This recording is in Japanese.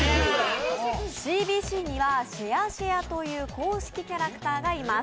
ＣＢＣにはシェアシェアという公式キャラクターがいます。